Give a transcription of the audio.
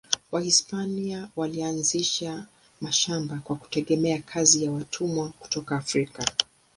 Wahispania walianzisha mashamba kwa kutegemea kazi ya watumwa kutoka Afrika.